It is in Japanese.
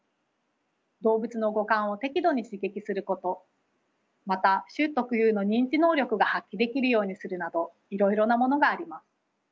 動物の五感を適度に刺激することまた種特有の認知能力が発揮できるようにするなどいろいろなものがあります。